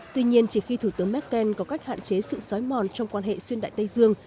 tuy nhiên chỉ khi thủ tướng merkel có cách hạn chế sự xói mòn trong quan hệ xuyên đại tây dương